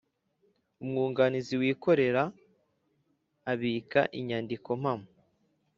Umwunganizi wikorera abika inyandiko mpamo